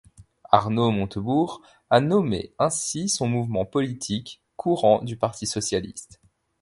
Arnaud Montebourg a nommé ainsi son mouvement politique, courant du Parti socialiste.